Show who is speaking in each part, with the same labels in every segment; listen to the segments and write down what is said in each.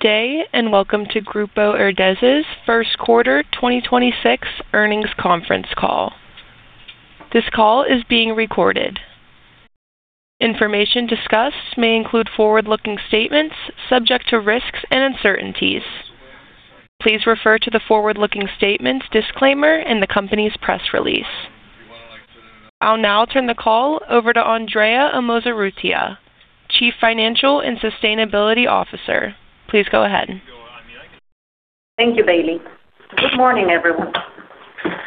Speaker 1: Good day, and welcome to Grupo Herdez's First Quarter 2026 Earnings Conference Call. This call is being recorded. Information discussed may include forward-looking statements subject to risks and uncertainties. Please refer to the forward-looking statements disclaimer in the company's press release. I will now turn the call over to Andrea Amozurrutia, Chief Financial and Sustainability Officer. Please go ahead.
Speaker 2: Thank you, Bailey. Good morning, everyone.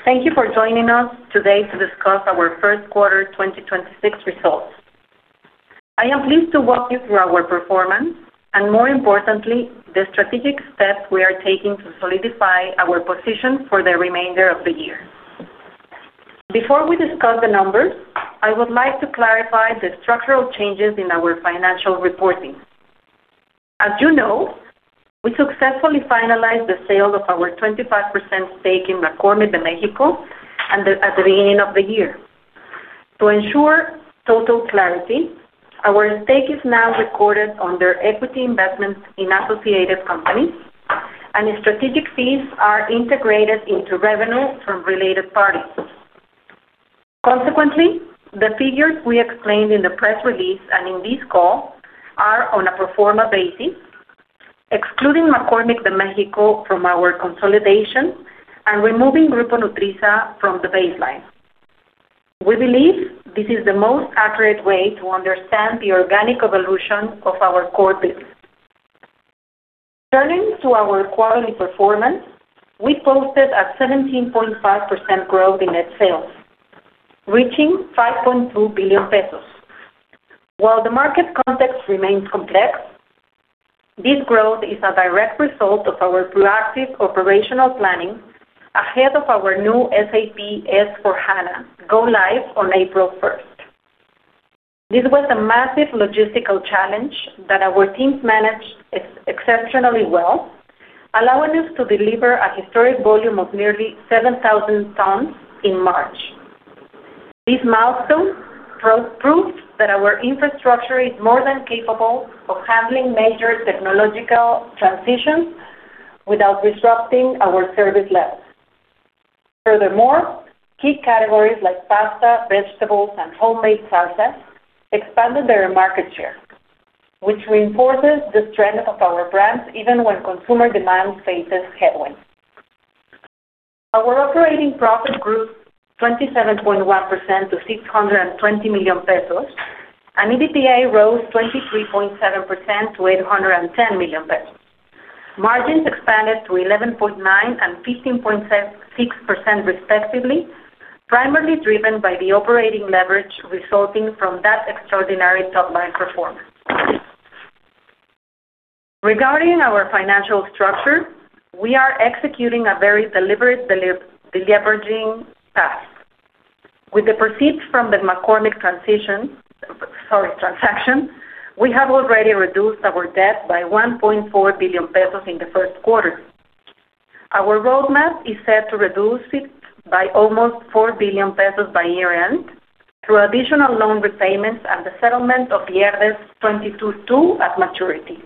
Speaker 2: Thank you for joining us today to discuss our first quarter 2026 results. I am pleased to walk you through our performance and, more importantly, the strategic steps we are taking to solidify our position for the remainder of the year. Before we discuss the numbers, I would like to clarify the structural changes in our financial reporting. As you know, we successfully finalized the sale of our 25% stake in McCormick de México at the beginning of the year. To ensure total clarity, our stake is now recorded under equity investments in associated companies, and strategic fees are integrated into revenue from related parties. Consequently, the figures we explained in the press release and in this call are on a pro forma basis, excluding McCormick de México from our consolidation and removing Grupo Nutrisa from the baseline. We believe this is the most accurate way to understand the organic evolution of our core business. Turning to our quarterly performance, we posted a 17.5% growth in net sales, reaching 5.2 billion pesos. While the market context remains complex, this growth is a direct result of our proactive operational planning ahead of our new SAP S/4HANA go live on April 1st. This was a massive logistical challenge that our teams managed exceptionally well, allowing us to deliver a historic volume of nearly 7,000 tons in March. This milestone proves that our infrastructure is more than capable of handling major technological transitions without disrupting our service levels. Furthermore, key categories like pasta, vegetables, and homemade salsa expanded their market share, which reinforces the strength of our brands even when consumer demand faces headwinds. Our operating profit grew 27.1% to 620 million pesos, and EBITDA rose 23.7% to 810 million pesos. Margins expanded to 11.9% and 15.6% respectively, primarily driven by the operating leverage resulting from that extraordinary top-line performance. Regarding our financial structure, we are executing a very deliberate deleveraging path. With the proceeds from the McCormick transaction, we have already reduced our debt by 1.4 billion pesos in the first quarter. Our roadmap is set to reduce it by almost 4 billion pesos by year-end through additional loan repayments and the settlement of the HERDEZ 22-2L at maturity.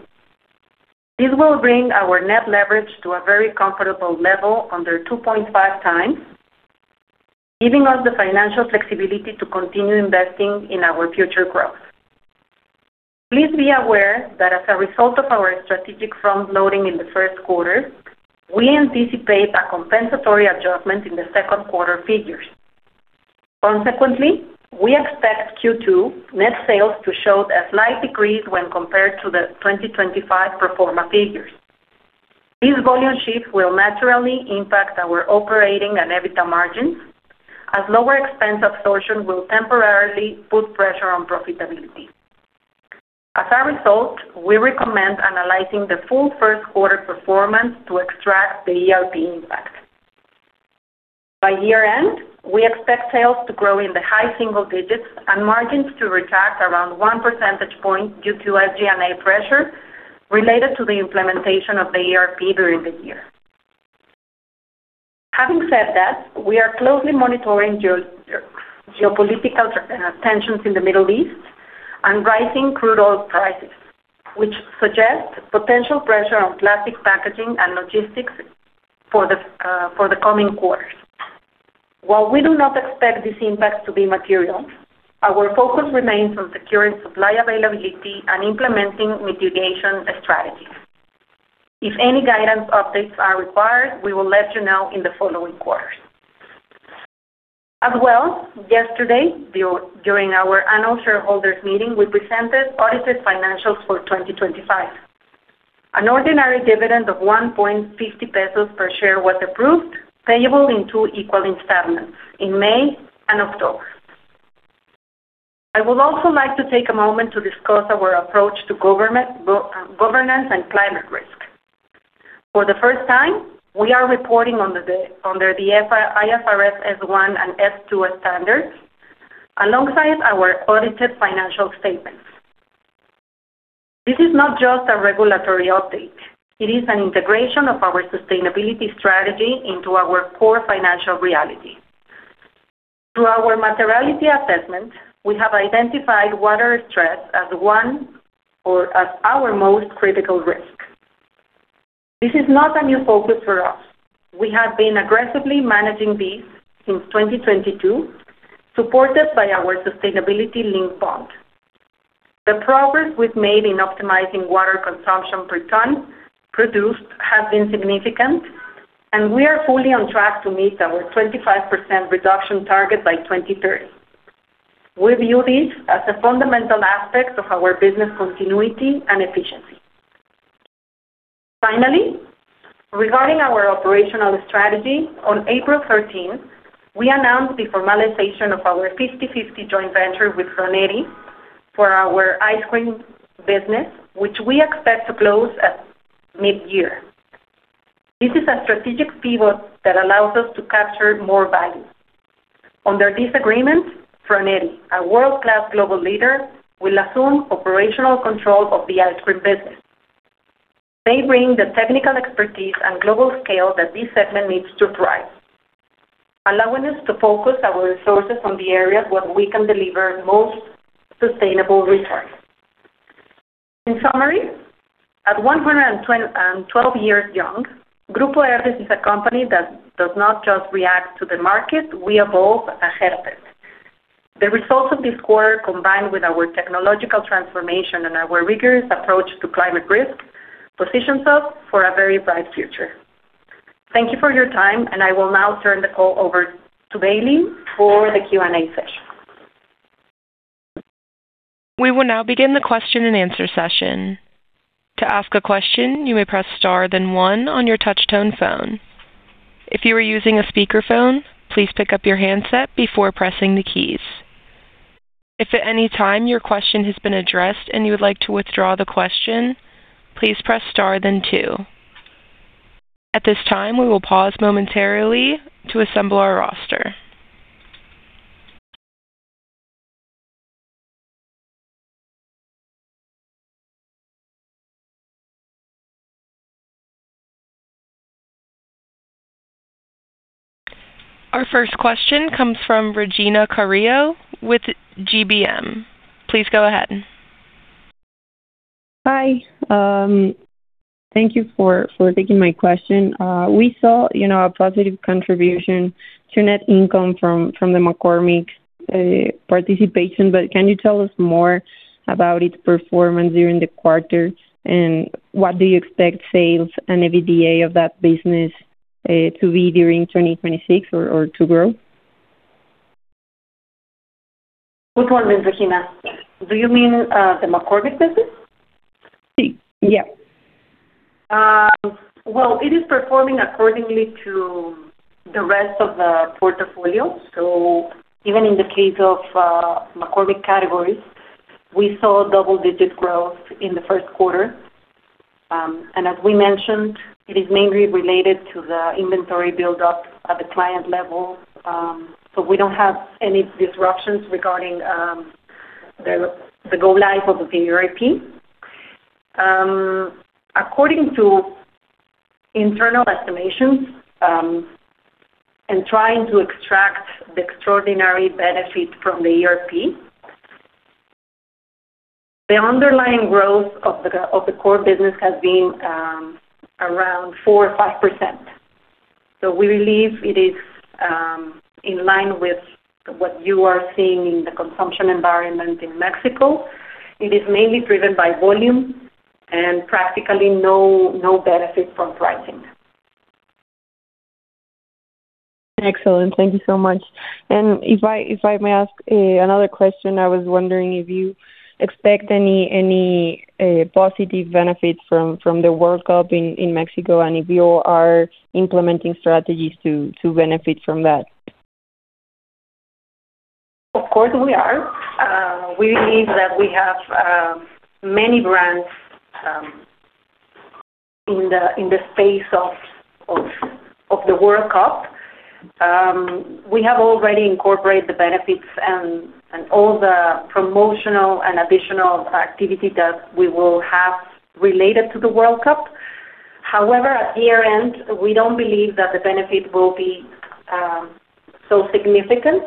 Speaker 2: This will bring our net leverage to a very comfortable level, under 2.5x, giving us the financial flexibility to continue investing in our future growth. Please be aware that as a result of our strategic frontloading in the first quarter, we anticipate a compensatory adjustment in the second quarter figures. Consequently, we expect Q2 net sales to show a slight decrease when compared to the 2025 pro forma figures. These volume shifts will naturally impact our operating and EBITDA margins, as lower expense absorption will temporarily put pressure on profitability. As a result, we recommend analyzing the full first quarter performance to extract the ERP impact. By year-end, we expect sales to grow in the high single digits and margins to retract around one percentage point due to SG&A pressure related to the implementation of the ERP during the year. Having said that, we are closely monitoring geopolitical tensions in the Middle East and rising crude oil prices, which suggest potential pressure on plastic packaging and logistics for the coming quarters. While we do not expect this impact to be material, our focus remains on securing supply availability and implementing mitigation strategies. If any guidance updates are required, we will let you know in the following quarters. As well, yesterday, during our annual shareholders' meeting, we presented audited financials for 2025. An ordinary dividend of 1.50 pesos per share was approved, payable in two equal installments in May and October. I would also like to take a moment to discuss our approach to governance and climate risk. For the first time, we are reporting under the IFRS S1 and S2 standards alongside our audited financial statements. This is not just a regulatory update. It is an integration of our sustainability strategy into our core financial reality. Through our materiality assessment, we have identified water stress as our most critical risk. This is not a new focus for us. We have been aggressively managing this since 2022, supported by our sustainability-linked bond. The progress we have made in optimizing water consumption per ton produced has been significant, and we are fully on track to meet our 25% reduction target by 2030. We view this as a fundamental aspect of our business continuity and efficiency. Finally, regarding our operational strategy, on April 13th, we announced the formalization of our 50/50 joint venture with Froneri for our ice cream business, which we expect to close at mid-year. This is a strategic pivot that allows us to capture more value. Under this agreement, Froneri, a world-class global leader, will assume operational control of the ice cream business. They bring the technical expertise and global scale that this segment needs to thrive, allowing us to focus our resources on the areas where we can deliver most sustainable returns. In summary, at 112 years young, Grupo Herdez is a company that does not just react to the market. We evolve ahead of it. The results of this quarter, combined with our technological transformation and our rigorous approach to climate risk, positions us for a very bright future. Thank you for your time, and I will now turn the call over to Bailey for the Q&A session.
Speaker 1: We will now begin the question and answer session. To ask a question, you may press star then one on your touch tone phone. If you are using a speakerphone, please pick up your handset before pressing the keys. If at any time your question has been addressed and you would like to withdraw the question, please press star then two. At this time, we will pause momentarily to assemble our roster. Our first question comes from Regina Carrillo with GBM. Please go ahead.
Speaker 3: Hi. Thank you for taking my question. We saw a positive contribution to net income from the McCormick participation, but can you tell us more about its performance during the quarter, and what do you expect sales and EBITDA of that business to be during 2026 or to grow?
Speaker 2: Good morning, Regina. Do you mean the McCormick business?
Speaker 3: Yeah.
Speaker 2: Well, it is performing according to the rest of the portfolio. Even in the case of McCormick categories, we saw double-digit growth in the first quarter. As we mentioned, it is mainly related to the inventory build-up at the client level. We do not have any disruptions regarding the go-live of the new ERP. According to internal estimations, and trying to extract the extraordinary benefit from the ERP, the underlying growth of the core business has been around 4% or 5%. We believe it is in line with what you are seeing in the consumption environment in Mexico. It is mainly driven by volume and practically no benefit from pricing.
Speaker 3: Excellent. Thank you so much. If I may ask another question, I was wondering if you expect any positive benefits from the World Cup in Mexico, and if you are implementing strategies to benefit from that.
Speaker 2: Of course, we are. We believe that we have many brands in the space of the World Cup. We have already incorporated the benefits and all the promotional and additional activity that we will have related to the World Cup. However, at year-end, we do not believe that the benefit will be so significant.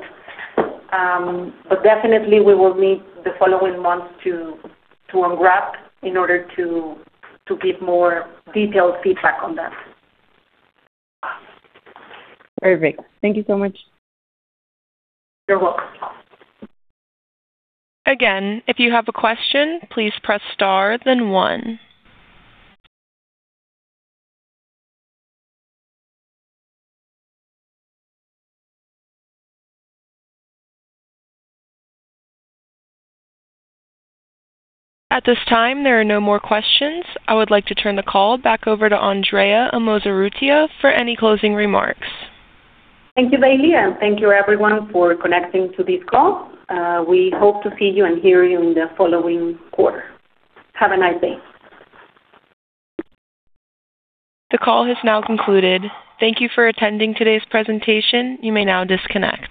Speaker 2: Definitely, we will need the following months to unwrap in order to give more detailed feedback on that.
Speaker 3: Perfect. Thank you so much.
Speaker 2: You're welcome.
Speaker 1: Again, if you have a question, please press star then one. At this time, there are no more questions. I would like to turn the call back over to Andrea Amozurrutia Casillas for any closing remarks.
Speaker 2: Thank you, Bailey, and thank you everyone for connecting to this call. We hope to see you and hear you in the following quarter. Have a nice day.
Speaker 1: The call has now concluded. Thank you for attending today's presentation. You may now disconnect.